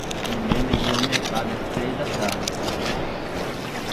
Me lembre de ir ao mercado ás três da tarde.